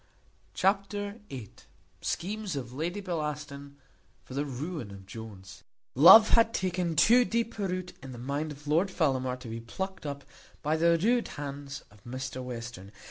Chapter viii. Schemes of Lady Bellaston for the ruin of Jones. Love had taken too deep a root in the mind of Lord Fellamar to be plucked up by the rude hands of Mr Western.